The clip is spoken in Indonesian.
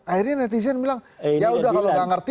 akhirnya netizen bilang ya udah kalau nggak ngerti